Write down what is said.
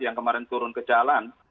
yang kemarin turun ke jalan